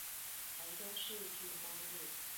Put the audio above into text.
台中市軍功路